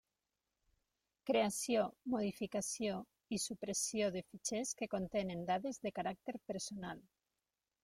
Creació, modificació i supressió de fitxers que contenen dades de caràcter personal.